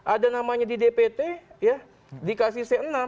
ada namanya di dpt dikasih c enam